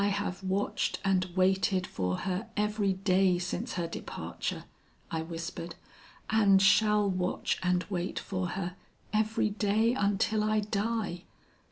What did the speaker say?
'I have watched and waited for her every day since her departure,' I whispered, 'and shall watch and wait for her, every day until I die.